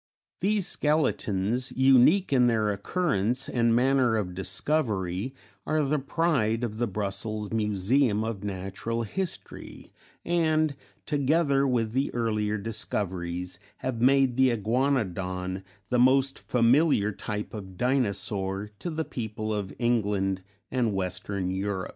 These skeletons, unique in their occurrence and manner of discovery, are the pride of the Brussels Museum of Natural History, and, together with the earlier discoveries, have made the Iguanodon the most familiar type of dinosaur to the people of England and Western Europe.